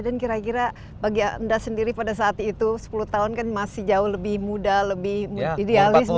dan kira kira bagi anda sendiri pada saat itu sepuluh tahun kan masih jauh lebih muda lebih idealis